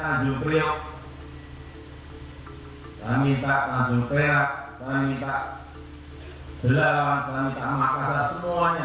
saya minta tanjung priok saya minta pelabuhan saya minta makasihlah semuanya